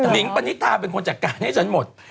นิงปณิตาเป็นคนจัดการให้ฉันหมด